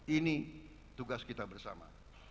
ini tugas kita bersama